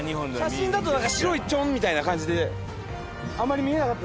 写真だと白いチョンみたいな感じで。